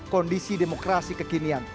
kondisi demokrasi kekinian